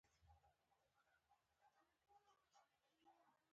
کمپیوټر ساینس د سافټویر او هارډویر ترکیب دی.